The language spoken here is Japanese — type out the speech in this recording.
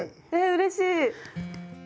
えうれしい！